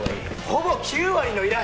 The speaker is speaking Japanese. ほぼ９割の依頼！